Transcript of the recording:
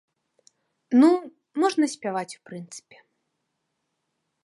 Ну, можна спяваць, у прынцыпе.